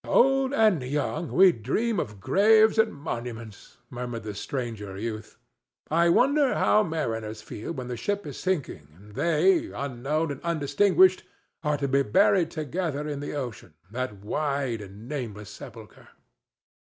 "Old and young, we dream of graves and monuments," murmured the stranger youth. "I wonder how mariners feel when the ship is sinking and they, unknown and undistinguished, are to be buried together in the ocean, that wide and nameless sepulchre?"